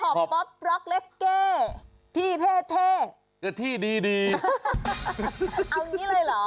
คลิปฮอบป๊อบปล๊อกเล็กเก้ที่เท่ที่ดีเอานี้เลยเหรอ